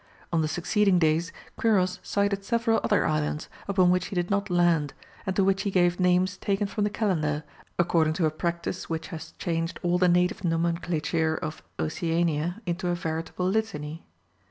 On the succeeding days Quiros sighted several other islands, upon which he did not land, and to which he gave names taken from the Calendar, according to a practice which has changed all the native nomenclature of Oceania into a veritable litany.